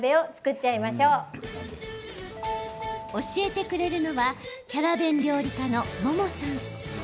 教えてくれるのはキャラ弁料理家のｍｏｍｏさん。